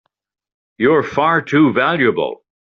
You're far too valuable!